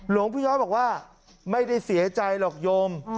หลวงพี่ย้อยบอกว่าไม่ได้เสียใจหรอกโยม